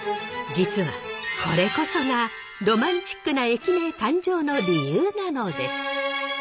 実はこれこそがロマンチックな駅名誕生の理由なのです。